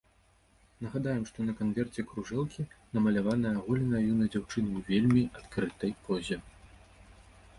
Нагадаем, што на канверце кружэлкі намаляваная аголеная юная дзяўчына ў вельмі адкрытай позе.